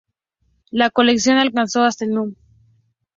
La colección alcanzó hasta el núm.